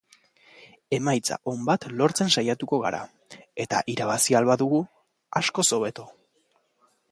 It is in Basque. Emaitza on bat lortzen saiatuko gara eta irabazi ahal badugu, askoz hobeto.